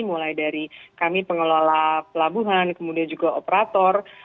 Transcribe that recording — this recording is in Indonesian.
mulai dari kami pengelola pelabuhan kemudian juga operator